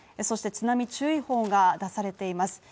そして津波注意報が出されています。